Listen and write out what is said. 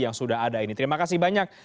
yang sudah ada ini terima kasih banyak